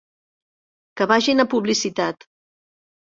Que vagin a publicitat.